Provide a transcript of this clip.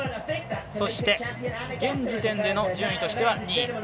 そして現時点での順位としては２位。